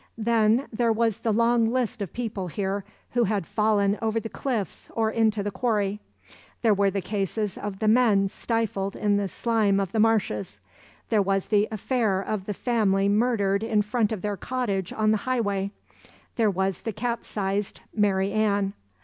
Then there was the long list of people here who had fallen over the cliffs or into the quarry; there were the cases of the men stifled in the slime of the marshes; there was the affair of the family murdered in front of their cottage on the Highway; there was the capsized Mary Ann.